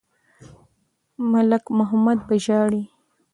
ملک محمد به ژاړي.